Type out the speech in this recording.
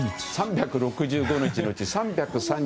３６５日のうち３３２日